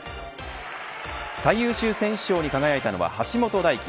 最優秀選手賞に輝いたのは橋本大輝。